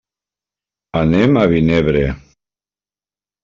Anem a Vinebre.